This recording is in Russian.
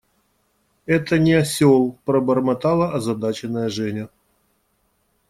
– Это не осел, – пробормотала озадаченная Женя.